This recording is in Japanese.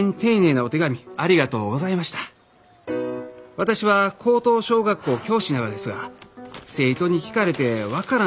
私は高等小学校教師なのですが生徒に聞かれて分からん植物があります